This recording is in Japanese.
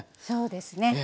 そうですね